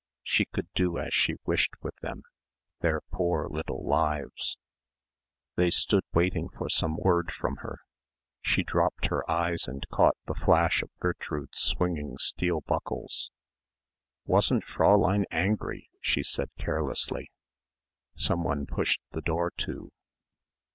She could do as she wished with them their poor little lives. They stood waiting for some word from her. She dropped her eyes and caught the flash of Gertrude's swinging steel buckles. "Wasn't Fräulein angry?" she said carelessly. Someone pushed the door to.